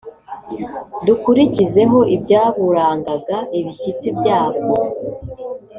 dukurikizeho ibyaburangaga ibishyitsi byabwo